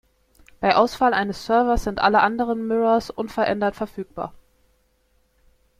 Bei Ausfall eines Servers sind alle anderen Mirrors unverändert verfügbar.